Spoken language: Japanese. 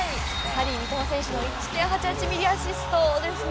三笘選手の１．８８ｍｍアシストですね。